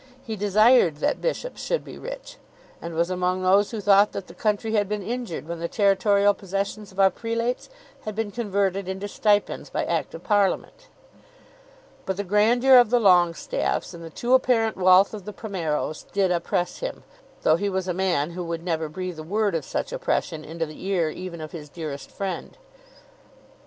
He desired that bishops should be rich, and was among those who thought that the country had been injured when the territorial possessions of our prelates had been converted into stipends by Act of Parliament. But the grandeur of the Longestaffes and the too apparent wealth of the Primeros did oppress him, though he was a man who would never breathe a word of such oppression into the ear even of his dearest friend.